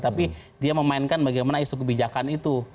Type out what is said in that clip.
tapi dia memainkan bagaimana isu kebijakan itu